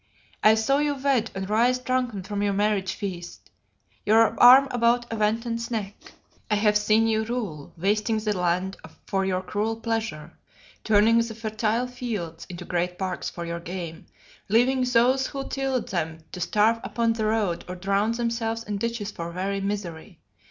I saw you wed and rise drunken from your marriage feast, your arm about a wanton's neck. I have seen you rule, wasting the land for your cruel pleasure, turning the fertile fields into great parks for your game, leaving those who tilled them to starve upon the road or drown themselves in ditches for very misery.